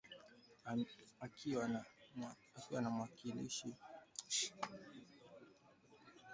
akiwa na mwakilishi maalum wa umoja wa afrika Volker Perthes